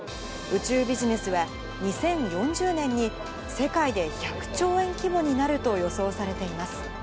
宇宙ビジネスは、２０４０年に世界で１００兆円規模になると予想されています。